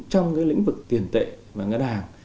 trong lĩnh vực tiền tệ và ngân hàng